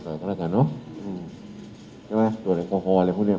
กันแล้วกันเนอะอืมใช่ไหมตรวจแอลกอฮอลอะไรพวกเนี้ย